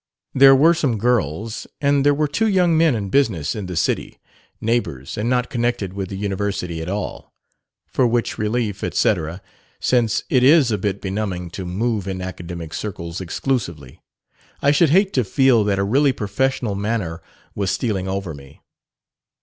There were some girls, and there were two young men in business in the city neighbors and not connected with the University at all. 'For which relief,' etc., since it is a bit benumbing to move in academic circles exclusively; I should hate to feel that a really professorial manner was stealing over me.